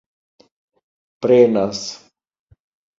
prenas